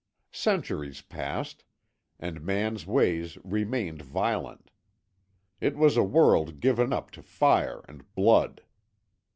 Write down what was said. Centuries passed, and man's ways remained violent. It was a world given up to fire and blood.